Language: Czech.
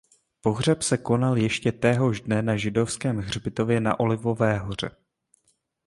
Pohřeb se konal ještě téhož dne na židovském hřbitově na Olivové hoře.